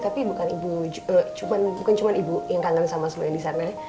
tapi bukan ibu yang kangen sama semuanya di sana